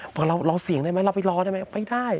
บอกว่าเราเสียงได้ไหมเราไปรอได้ไหม